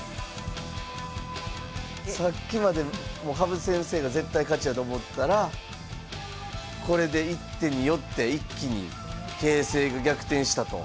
さっきまでもう羽生先生が絶対勝ちやと思ったらこれで一手によって一気に形勢が逆転したと。